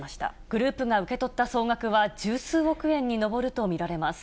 グループが受け取った総額は、十数億円に上ると見られます。